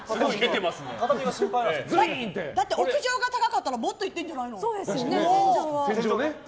だって屋上が高かったらもっといってるんじゃないの？